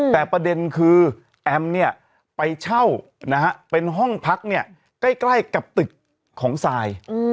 แต่ประเด็นคือแอมม์ไปเช่าเป็นห้องพักใกล้กับตึกของซาย